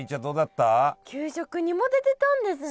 給食にも出てたんですね。